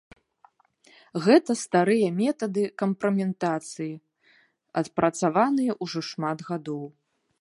Гэта старыя метады кампраметацыі, адпрацаваныя ўжо шмат гадоў.